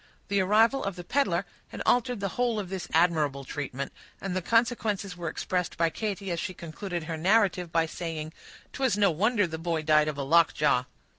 The arrival of the peddler had altered the whole of this admirable treatment; and the consequences were expressed by Katy, as she concluded her narrative, by saying,— "'Twas no wonder the boy died of a lockjaw!"